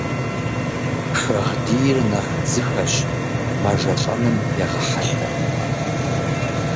Шагъдийр нэхъ дзыхэщ, мэжэлӀэным егъэхьэлъэ.